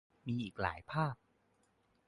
มีอีกหลายภาพ